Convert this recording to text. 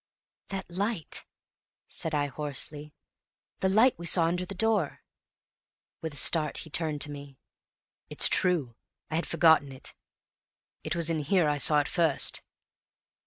"That light!" said I, hoarsely; "the light we saw under the door!" With a start he turned to me. "It's true! I had forgotten it. It was in here I saw it first!"